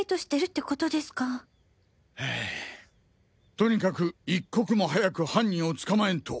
とにかく一刻も早く犯人を捕まえんと。